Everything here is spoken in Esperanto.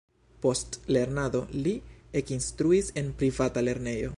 Post lernado li ekinstruis en privata lernejo.